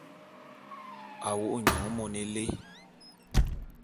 A wo’o nyon mone élé.